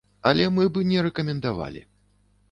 Але мы б не рэкамендавалі.